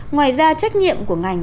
ngoài ra trách nhiệm của ngành